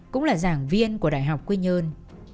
cũng là giảng viên của đại học quy nhơn